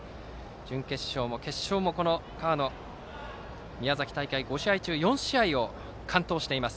準決勝も決勝もこの河野が宮崎大会５試合中４試合を完投しています。